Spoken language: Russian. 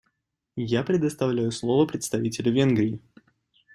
Я предоставляю слово представителю Венгрии.